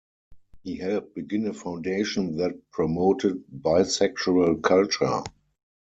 He helped begin a foundation that promoted bisexual culture.